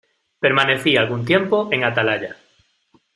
permanecí algún tiempo en atalaya.